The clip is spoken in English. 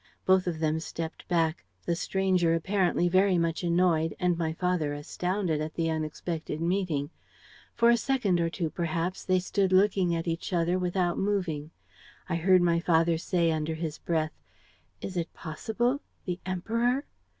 Both of them stepped back, the stranger apparently very much annoyed and my father astounded at the unexpected meeting. For a second or two, perhaps, they stood looking at each other without moving. I heard my father say, under his breath, 'Is it possible? The Emperor?'